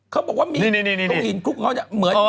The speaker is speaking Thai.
เขาบอกว่ามีตุ๊กหินคลุกเหมือน